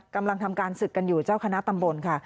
กำลังทำการศึกกันอยู่เจ้าคณะตำบลค่ะ